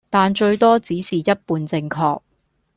但最多只是一半正確